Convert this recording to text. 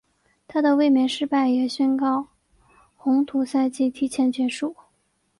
她的卫冕失败也宣告红土赛季提前结束。